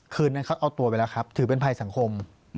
คืนนั้นเขาเอาตัวไปแล้วครับถือเป็นภัยสังคม